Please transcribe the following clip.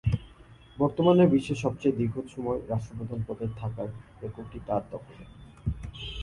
বর্তমানে বিশ্বের সবথেকে দীর্ঘসময় রাষ্ট্রপ্রধান পদে থাকার রেকর্ডটি তার দখলে।